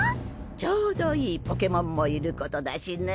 ちょうどいいポケモンもいることだしね。